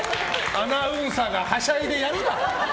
アナウンサーがはしゃいでやるな。